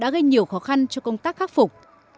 gây nhiều khó khăn cho công tác khắc phục